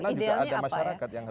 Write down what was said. nah itu idealnya apa ya